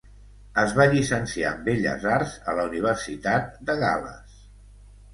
Es va llicenciar en belles arts a la Universitat de Gal·les.